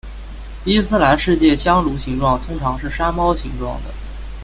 伊斯兰世界香炉形状通常是山猫形状的。